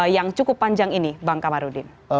yang cukup panjang ini bang kamarudin